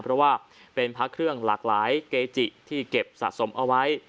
เพราะว่าเป็นพระเครื่องหลากหลายเกจิที่เก็บสะสมเอาไว้